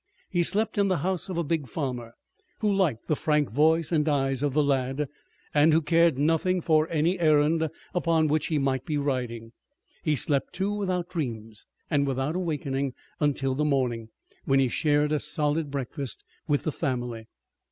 He slept in the house of a big farmer, who liked the frank voice and eyes of the lad, and who cared nothing for any errand upon which he might be riding. He slept, too, without dreams, and without awakening until the morning, when he shared a solid breakfast with the family.